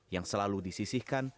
yang selalu disisihkan setelah menabung